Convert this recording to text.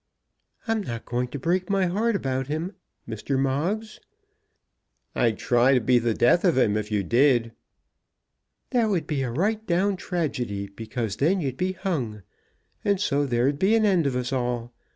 "I'm not going to break my heart about him, Mr. Moggs." "I'd try to be the death of him, if you did." "That would be a right down tragedy, because then you'd be hung, and so there'd be an end of us all.